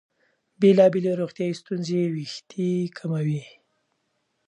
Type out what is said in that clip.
بېلابېلې روغتیايي ستونزې وېښتې کموي.